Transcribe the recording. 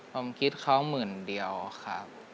ผมคิดเขาหมื่นเดียวครับ